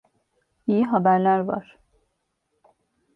İyi haberler var.